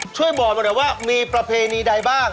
ช่วยบอกหน่อยว่ามีประเพณีใดบ้าง